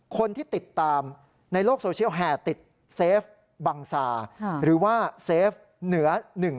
คนที่ติดตามในโลกโซเชียลแห่ติดเซฟบังซาหรือว่าเซฟเหนือ๑๕